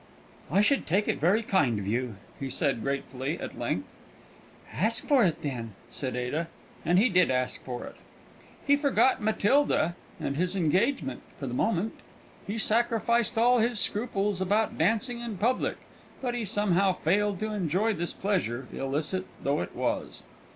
"I should take it very kind of you," he said, gratefully, at length. "Ask for it, then," said Ada; and he did ask for it. He forgot Matilda and his engagement for the moment; he sacrificed all his scruples about dancing in public; but he somehow failed to enjoy this pleasure, illicit though it was.